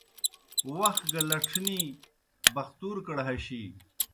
وخ گہ لڇھنی بختورکڑ ہشِینیْ